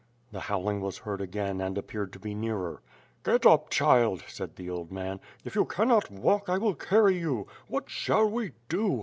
The howling was heard again and appeared to be nearer. "Get up child," said the old man. If you cannot walk, I will carry you. What shall we do?